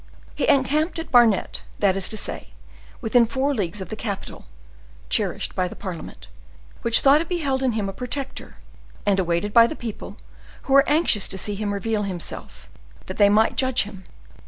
He encamped at Barnet, that is to say, within four leagues of the capital, cherished by the parliament, which thought it beheld in him a protector, and awaited by the people, who were anxious to see him reveal himself, that they might judge him.